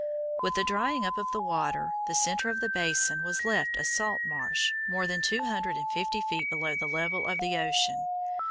With the drying up of the water, the centre of the basin was left a salt marsh more than two hundred and fifty feet below the level of the ocean.